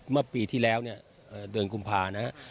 เมื่อปีที่แล้วเนี่ยเดือนกุมภานะฮะ